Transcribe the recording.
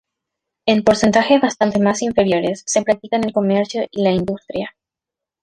En porcentajes bastantes más inferiores se practican el comercio y la industria.